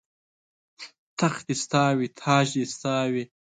تخت دې ستا وي تاج دې ستا وي